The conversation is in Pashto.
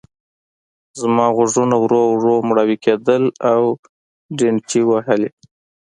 زما غوږونه ورو ورو مړاوي کېدل او ډينچکې وهلې.